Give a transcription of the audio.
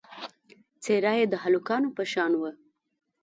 څېره یې د هلکانو په شان وه.